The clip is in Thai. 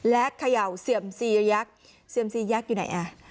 และเขย่าเสื่อมซียักษ์เสื่อมซียักษ์อยู่ไหนอ่ะ